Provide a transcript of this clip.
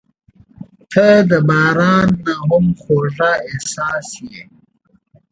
• ته د باران نه هم خوږه احساس یې.